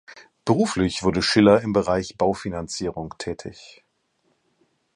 Beruflich wurde Schiller im Bereich Baufinanzierung tätig.